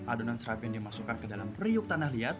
adonan serap yang dimasukkan ke dalam periuk tanah liat